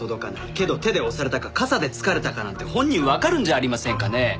けど手で押されたか傘で突かれたかなんて本人わかるんじゃありませんかねえ。